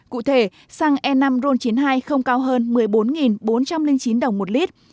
cụ thể xăng e năm ron chín mươi hai không cao hơn một mươi bốn bốn trăm linh chín đồng một lít